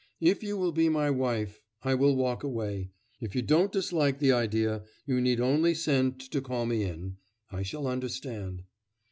If you will be my wife... I will walk away... if you don't dislike the idea, you need only send to call me in; I shall understand....